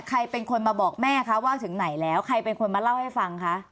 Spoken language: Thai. ใครเป็นคนมาบอกแม่คะว่าถึงไหนแล้วใครเป็นคนมาเล่าให้ฟังคะ